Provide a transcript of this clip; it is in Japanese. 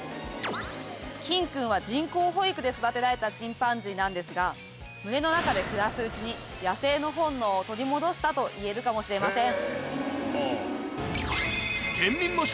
キン君は人工哺育で育てられたチンパンジーなんですが群れの中で暮らすうちに野生の本能を取り戻したといえるかもしれません。